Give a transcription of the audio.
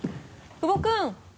久保君。